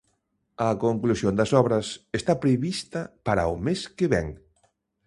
A conclusión das obras está prevista para o mes que vén.